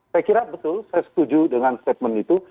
saya kira betul saya setuju dengan statement itu